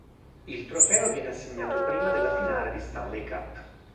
Il trofeo viene assegnato prima della finale di Stanley Cup.